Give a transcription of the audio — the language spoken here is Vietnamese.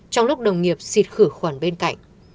trong lúc đồng nghiệp xịt khử khuẩn bên cạnh